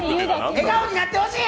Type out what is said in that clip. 笑顔になってほしいんや！